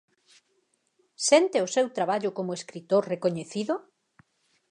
Sente o seu traballo como escritor recoñecido?